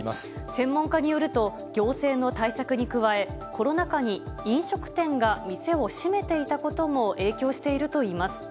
専門家によると、行政の対策に加え、コロナ禍に飲食店が店を閉めていたことも影響しているといいます。